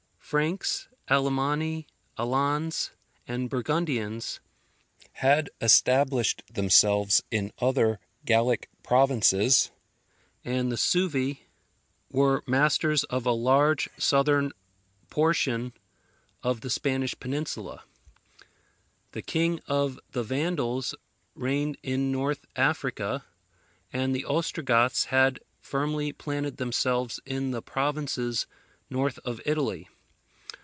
Franks, Alemanni, Alans, and Burgundians had established themselves in other Gallic provinces, and the Suevi were masters of a large southern portion of the Spanish peninsula. A king of the Vandals reigned in North Africa, and the Ostrogoths had firmly planted themselves in the provinces north of Italy.